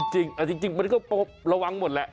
จริงมันก็ระวังหมดแหละ